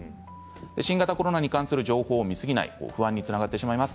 新型コロナに関する情報を見すぎない、不安につながってしまいます。